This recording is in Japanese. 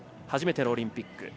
初めてのオリンピック。